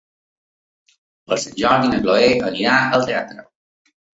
Per Sant Jordi na Cloè anirà al teatre.